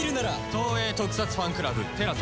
東映特撮ファンクラブＴＥＬＡＳＡで。